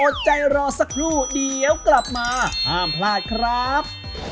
อดใจรอสักครู่เดี๋ยวกลับมาห้ามพลาดครับ